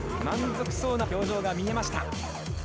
満足そうな表情が見えました。